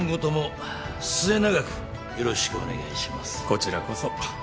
こちらこそ。